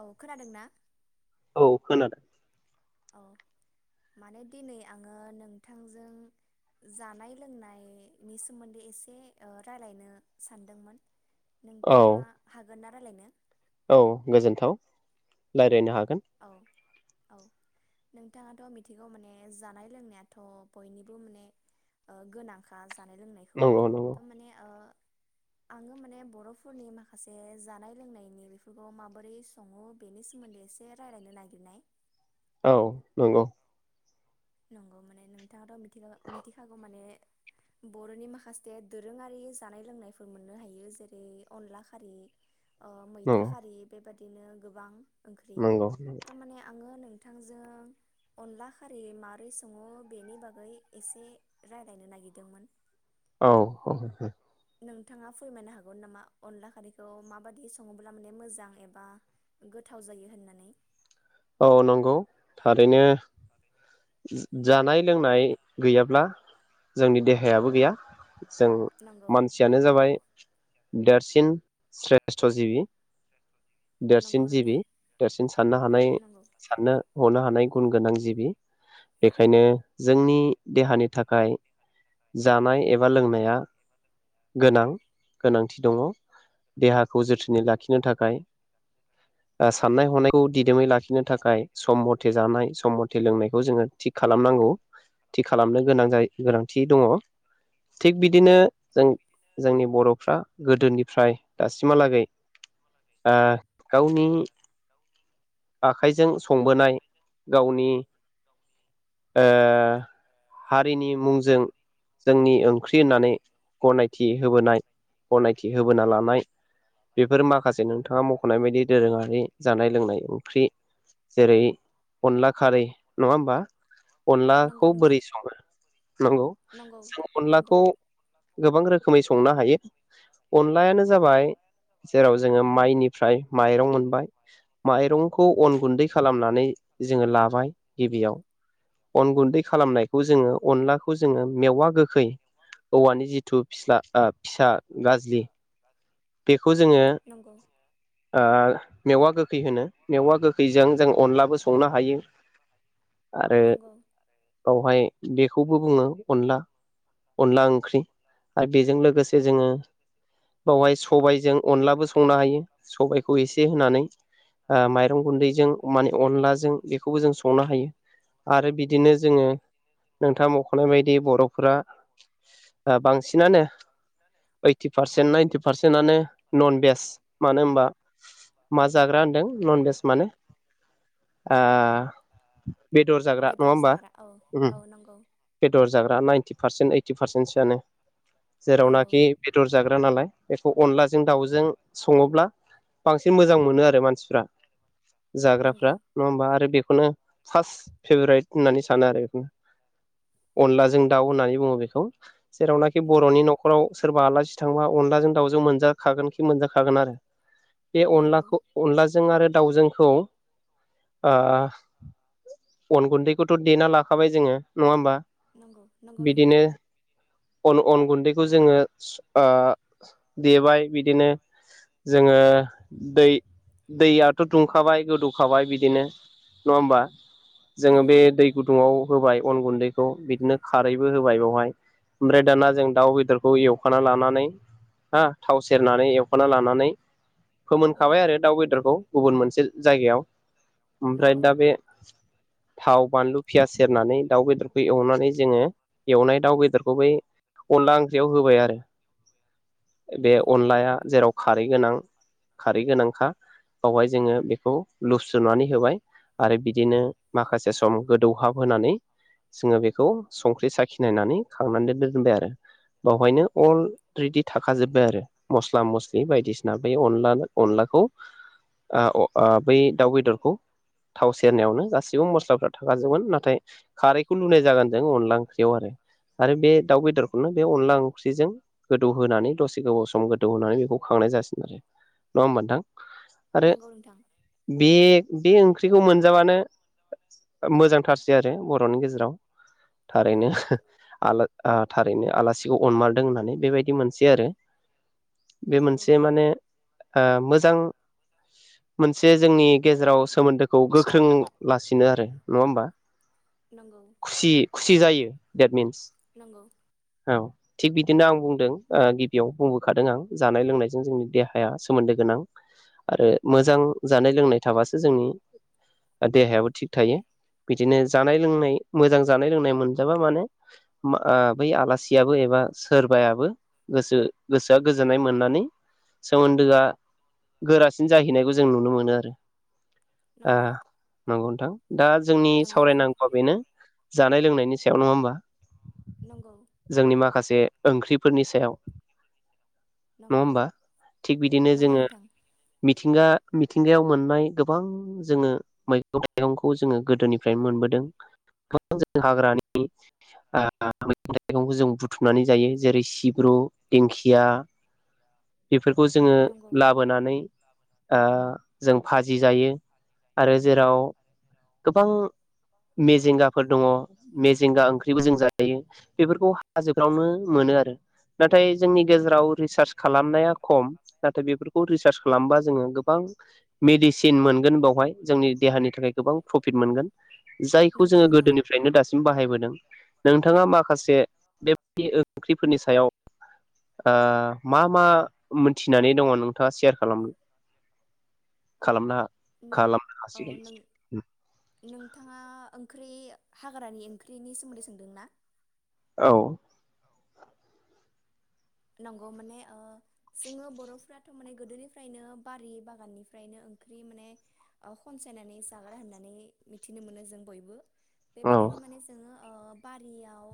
औ खोनादोंना? औ खोनादों। औ माने दिनै आंङो नोंथांजों जानाय लोंनायनि सोमोन्दै एसे ओ रायलायनो सानदोंमोन। औ नोंथांङा हागोनना रायलायनो औ गोजोनथाव रायलायनो हागो औ औ नोंथांङाथ' मिथिगौ माने जानाय लोंनायाथ' बयनिबो माने गोनांखा जानाय लोंनायखौ नंगौ नंगौ। थ' माने ओ आंङो माने बर'फोरनि माखासे जानाय लोंनायनि बेफोरखौ माबोरै सङो बेनि सोमोन्दै एसे एसे रायलायनो नागिरनाय औ नंगौ नंगौ माने नोंथाङाथ' मिथि मिथिखागौ माने बर'नि माखासे दोरोङारि जानाय लोंनायफोर मोननो हायो जेरै अनला खारि ओ मैथा नंगौ खारि बे बायदि दिनो गोबां ओंख्रि नंगौ तारमाने आङो बिथांजों अनला खारै म माबारै सङो बेनि बागै एसे रायज्लायनो नागिरदोंमोन। औ। [unintelligible] नोंथाङा फोरमायनो हागोन नामा अनला खारैखौ माबायदि सङोब्ला माने मोजां एबा गोथाव जायो होननानै? औ नंगौ थारैनो जानाय लोंनाय गैयाब्ला जोंनि देहायाबो गैया जों नंगौ मानसियानो जाबाय देरसिन स्रेष्ट' जिबि। नंगौ देरसिन नोंथां जिबि देरसिन साननो हानाय नंगौ साननो हनो हानाय गुन गोनां जिबि। बेखायनो जोंनि देहानि थाखाय जानाय एबा लोंनाया गोनां गोनांथि दङ देहाखौ जोथोनै लाखिनो थाखाय साननाय हनाय खौ दिदोमै लाखिनो थाखाय सम मथे जानाय सम मथे लोंनाय थि खालामनांगौ थि खालामनो गोनां गोनांथि दङ थिग बिदिनो जों जोंनि बर'फ्रा गोदोनिफ्राय दासिमहालागै ओ गावनि आखाइजों संबोनाय गावनि ओ हारिनि मुंजों जोंनि ओंख्रि होननानै गनायथि होबोनाय गनायथि होबोना लानाय बेफोर माखासे नोंथाङा मख'नाय बायदि दोरोङारि जानाय लोंनाय ख्रि जेरै अनला खारै नङा होनबा? अनलाखौ नंगौ नोंथां बोरै सङो नंगौ नंगौ जों नंगौ अनलाखौ गोबां रोखोमै संनो हायो अनलायानो जाबाय जेराव जोङो माइनिफ्राय माइरं मोनबाय माइरं खौ गुन्दै खालामनानै जोङो लाबाय गिबियाव अन गुन्दै खालामनायखौ जोङो अनलाखौ जोङो मेवा गोखै औवानि जिथु फिस्ला फिसा गाज्रि बेखौ जोङो नंगौ ओ मेवा गोखै होनो मेवा गोखैजों जों अनलाबो संनो हायो आरो नंगौ बावहाय बेखौबो बुङो अनला अनला ओंख्रि आरो बेजों लोगोसे जोङो सबायजों अनलाबो संनो हायो सबायाइखौ एसे होनानै माइरं गुन्दैजों माने अनलाजों बेखौबो जों संनो हायो आरो बिदिनो जोङो नोंथाङा मख'नाय बायदि बर'फोरा ओ बांसिनानो ओइति पारसेन नाइनथि बांसिनानो नन भेज मानो होनबा मा जाग्रा होनदों नन भेज माने आ बेदर जाग्रा नङा होमबा जाग्रा औ औ नंगौ बेदर जाग्रा नाइनटि पार्सेन्ट ओइटि पारसेन्टसोआनो। नंगौ जेरावनाखि बेदर जाग्रा नालाय बेखौ अनलाजों दाउजों सङोब्ला बांसिन मोजां मोनो आरो मानसिफ्रा नंगौ जाग्राफ्रा नङा होमबा आरो बेखौनो फास्त फेभरायट होननानै सानो आरो बेखौनो अनलाजों दाउ होननानै बुङो बेखौ जेरावनाखि नंगौ बर'नि न'खराव सोरबा आलासि सिथांबा अनलाजों दावजों मोनजाखागोनखि मोनजाखागोन आरो बे नंगौ अनलाखौ अनला जों आरो दाउजोंखौ अन गुन्दैखौथ देना लाखाबाय जोङो नङा होमबा नंगौ नंगौ नोंथां बिदिनो अन अन गुन्दैखौ जोङो स आ देबाय बिदिनो जोङो दै दैयाथ' दुंखाबाय गोदौखाबाय बिदिनो नङा होमबा जोङो नंगौ बे दै गुदुङाव होबाय अन गुन्दैखौ बिदिनो खारैबो होबाय बावहाय ओमफ्राय दाना जों दाउ बेदरखौ एवखाना लानानै हा थाव सेरनानै एवखाना लानानै फोमोनखाबाय नंगौ आरो दाउ बेदरखौ गुबुन मोनसे जायगायाव ओमफ्राय नंगौ दा बे थाव बानलु फियास सेरनानै दाउ बेदरखौ एवनानै जोङो एवनाय दाउ बेदरखौ बै अनला ओंख्रियाव होबाय आरो बे नंगौ अनलाया जेराव खारै गोनां खारै गोनांखा बावहाय जोङो बेखौ लुस्रोनानै होबाय आरो बिदिनो माखासे सम गोदौहाब होनानै जोङो बेखौ संख्रि साखिनायनानै खांनानै दोननो दोनबाय आरो बावहायनो अलरिडि थाखा जोबबाय आरो मसला मसलि बायदिसिना बे अनलानो अनलाखौ आ अ आ बै दाउ बेदरखौ थावस सेरनायावनो गासिबो मस्लाफ्रा थाखाजोबगोन नाथाय खारैखौ लुनाय जागोन जों अनला ओंख्रियाव आरो बे दाउ बेदरखौनो बे अनला ओंख्रिजों गोदौ नानै दसे गोबाव सम गोदौहोनानै बेखौ खांनाय जासिन आरो नंङाहोमबा नोंथां आरो नंगौ नोंथां बे बे बे ओंख्रिखौ मोनजाबानो मोजांथारसै आरो बर'नि गेजेराव थारैनो नंगौ आलोद आ थारैनो आलासिखौ अनमारदों होननानै बेबायदि मोन से आरो बे नंगौ मोनसे माने आ मोजां मोनसे जोंनि गेजेराव सोमोन्दोखौ गोख्रों लासिनो आरो नङा होमबा? नंगौ खुसि खुसि जायो देट मिन नंगौ औ थिग बिदिनो आं बुंदों ओ गिबियाव बुंबोखादों आं जानाय लोंनायजों जोंनि देहाया सोमोन्दो गोनां आरो मोजां जानाय लोंनाय थाबासो जोंनि देहायाबो थिग थायो बिदिनो जानाय लोंनाय मोजां जानाय लोंनाय मोनजाबा मानो आ बै आलासियाबो एबा सोरबायाबो गोसो गोसोआ गोजोननाय मोननानै सोमोन्दोआ गोरासिन जाहैनाय जों नुनोमोनो आरो आ नंगौ नंगौ नथां दा जोंनि नंगौ नों सावरायनांगौआ बेनो जानाय लोंनायनि सायाव नङा होमबा नंगौ जोंनि माखासे। ओंख्रिफोरनि सायाव। नङा नंगौ होमबा थिग बिदिनो नंगौ जोङो नोंथां मि- थिंगा-मिथिंगायाव मोननाय गोबां जोङो मैगं थाइगंखौ जोङो गोदोनिफ्रायनो मोनबोदों गोबां जों हाग्रानि आ मैगं थाइगंखौ जों बुथुमनानै जायो जेरै सिब्रु। दिंखिया बे- बेफोरखौ जोङो नंगौ लाबोनानै। अ जों फाजि जायो आरो जेराव गोबां मेजेंगाफोर दङ मेजेंगा ओंख्रिबो जों जायो बेफोरखौ हाजोफ्रावनो मोनो आरो। नाथाय जोंनि गेजेराव रिसार्च खालामनाया खम नाथाय बेफोरखौ रिसार्च खालामबा जोङो गोबां मेडिसिन मोनगोन बोवहाय जोंनि देहानि थाखाय गोबां प्रफिट मोनगोन जायखौ नंगौ जोङो नोंथां गोदोनिफ्रायनो दासिम बाहायबोदों। नोंथाङा माखासे बेबायदि ओंख्रिफोरनि सायाव। आ मा मा मोनथिनानै दङ नोंथाङा सेयार खालाम- खालामना। नों औ नों नोंथाङा ओं- ख्रि हाग्रानि ओंख्रिनि सोमोन्दै सोंदों ना? औ। नंगौ माने अ जोङो बर'फोराथ' माने गोदोनिफ्रायनो बारि बागाननिफ्रायनो ओंख्रि माने खनसायनानै जाग्रा होननानै मिथिनो मोनो जों बयबो। बे बायदिनो माने जोङो। अ बारियाव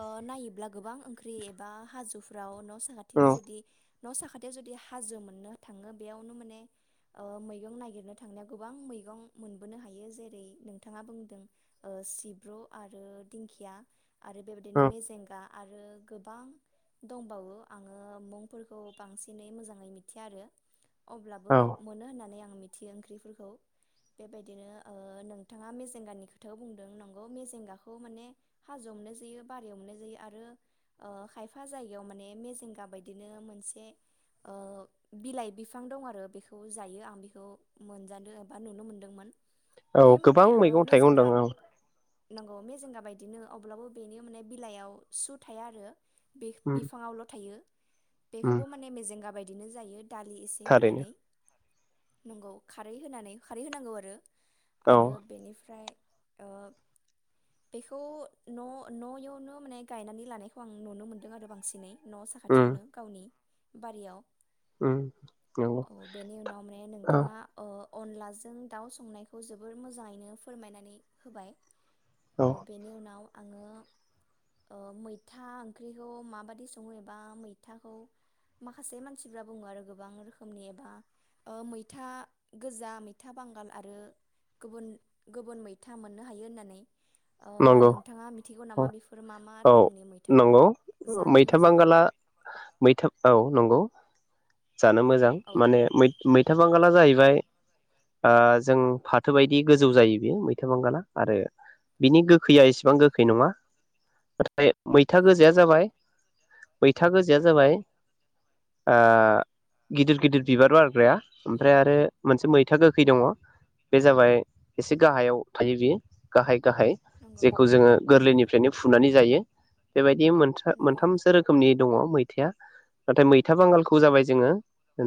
अ नायोब्ला गोबां ओंख्रि। बा हाजोफ्राव न'। साखाथिनि औ जुदि। न' साखाथियाव जुदि हाजो मोननो थाङो बेयावनो माने अ मैगं नागिरनो थांनायाव गोबां मैगं मोनबोनो हायो जेरै नोंथाङा बुंदों अ सिब्रु आरो दिंखिया। आरो बेबायदिनो औ मेजेंगा। आरो गो- बां दंबावो आङो मुंफोरखौ बांसिनै मोजाङै मिथिया आरो। औ अब्लाबो मोनो होननानै आं मि- थियो ओंख्रिफोरखौ बेबायदिनो अ नोंथाङा मेजेंगानि खोथायाव बुंदों नंगौ मेजेंगाखौ माने हाजोआव मोननाय जायो बारियाव मोननाय जायो आरो। अ खायफा जायगायाव माने मेजेंगा बायदिनो मोनसे अ बिलाइ बिफां दं आरो बेखौ जायो आं बेखौ मोनजादों एबा नुनो मोनदोंमोन। औ बेयो माने गोबां अ मैगं थाइगं मेजेंगा दं औ नांगौ मेजेंगा बाय- दिनो अब्लाबो बेनि माने बिलाइयाव सु थाया आरो। उम बि-बिफाङावल' थायो उम बेखौबो माने मेजेंगा बाय- दिनो जायो। दालि एसे थारैनो होनानै। नंगौ खारै होनानै खारै होनांगौ आरो। औ आरो बेनिफ्राय। अ बेखौ न'-न'यवनो माने गायनानै लानाय- खौ आं नुनो मोन्दों आरो बांसिनै न' उम साखाथियावनो गावनि बारियाव उम नंगौ औ बेनि उनाव मे औ नोंथाङा ओ अनलाजों दाउ संनायखौ जोबोर मोजाङैनो फोरमायनानै होबाय औ बेनि उनाव आङो ओ मै था ओंख्रिखौ माबायदि सङो एबा मैथाखौ माखासे मानसिफ्रा बुङो आरो गोबां रोखोमनि एबा मैथा गोजा मैथा बांगाल आरो गुबुन गुबुन मैथा मोननो हायो होननानै ओ नंगौ नोंथाङा मिथिगौ नामा औ बेफोर मा मा औ रोखोमनि मै नंगौ मैथा बांगाला मैथा औ नंगौ जानो मोजां औ माने मै मै मैथा बांगाला जाहैबाय ओ जों फाथो बायदि गोजौ जायो बेयो मैथा बांगाला आरो बिनि गोखैया एसेबां गोखै नङा बे मैथा नंगौ गोजाया जाबाय मैथा गोजाया जाबाय ओ गिदिर गिदिर बिबार बारग्राया ओमफ्राय आरो मोनसे मैथा गोखै दङ बे जाबाय एसे गाहायाव थायो बेयो गाहाय गाहाय नंगौ जेखौ जोङो नंगौ गोरलैनिफ्रायनो फुनानै जायो बेबायदि मोन नंगौ मोनथामसो रोखोमनि दङ मैथाया नाथाय मैथा बांगालखौ जाबाय जोङो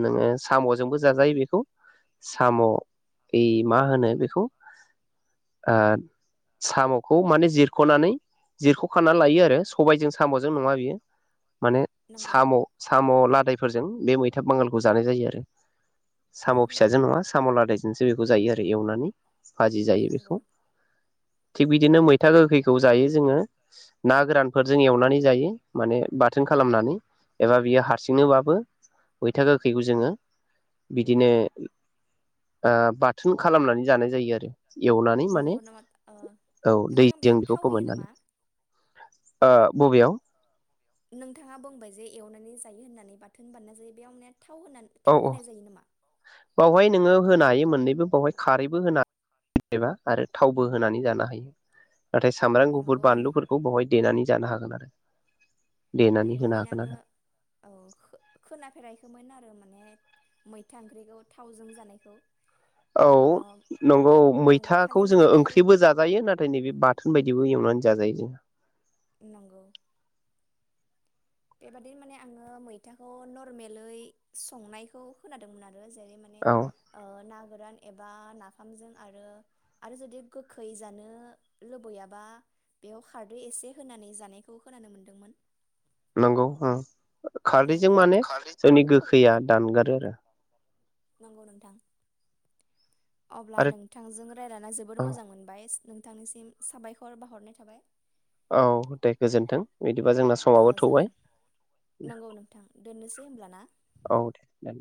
नोङो साम'जोंबो जाजायो बेखौ साम' बे मा होनो बेखौ ओ साम'खौ माने जिर ख'नानै जिरख' खानानै लायो आरो सबायजों साम'जों नङा बियो माने नंगौ साम' साम' लादायफोरजों बे मैथा बांगालखौ जानाय जायो आरो साम' नंगौ फिसाजों नङा साम' लादायजोंसो बे खौ जायो आरो एवनानै भाजि जायो बेखौ नंगौ थिग बिदिनो मैथा गोखैखौ जायो जोङो ना गोरानफोरजों एवनानै जायो माने बा थोन खालामनानै एबा बियो हारसिंनोबाबो मैथा गोखैखौ जोङो बिदिनो ओ बाद थुन खालामनानै जानाय जायो आरो एवनानै माने नंगौ नामा ओ औ नोंथां दैजों बेयाव बेखौ थाव होयो फोमोननानै नामा ओ ओ बबेयाव नोंथाङा बुंबाय जे एवनानै जायो होननानै बाथोन बानना जायो बेयाव मेथ थाव होनानै औ थाव औ होनाय जायो नामा? बावहाय नोङो होनो हायो मोननैबो बावहाय खारैबो होनो हायो एबा आरो थावबो होनानै जानो हायो नाथाय सामब्राम गुफुर नंगौ माने बानलुफोरखौ बावहाय देनानै जानो हागोन आरो। देनानै नोंगौ होनो माने हागोन आरो आङो औ खोनाफेराखैमोन आरो माने मैथा ओंख्रिखौ थावजों जानायखौ। औ ओ नंगौ नंगौ मैथाखौ खालि माने जोङो बेखौ ओंख्रिबो जाजायो नाथाय नैबे बाथोन बायदि यैबो एवनानै जाजायो जोङा। नंगौ। बेबादिनो माने आङो मैथाखौ नरमेलै संनायखौ खादोंमोन आरो। जेरै माने औ ओ ना गोरान एबा नाफामजों आरो आरो जुदि गोखै जानो लुबैयाबा बेयाव खारदै एसे होनानै जानायखौ खोनानो मोनदोंमोन। नंगौ हा। खारदैजों माने जोंनि गोखैया दानगारो आरो। नंगौ नोंथां। अब्ला आरो नोंथांजों रायज्लायना जोबोर आरो औ मोजां मोनबाय। बिथांनिसिम साबायखर बाहरनाय थाबाय। औ दे गोजोनथों बिदिबा जोंना ओ समावबो थौबाय जागोन दे नंगौ नोंथां दोननोसै होमब्ला ना औ दे।